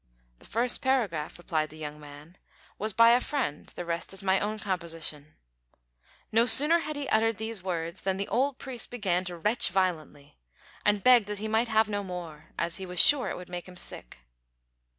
"The first paragraph," replied the young man, "was by a friend; the rest is my own composition." No sooner had he uttered these words than the old priest began to retch violently, and begged that he might have no more, as he was sure it would make him sick.